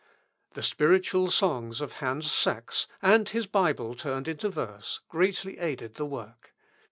The spiritual songs of Hans Sachs, and his Bible turned into verse, greatly aided the work.